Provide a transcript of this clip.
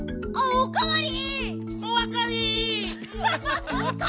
おかわり！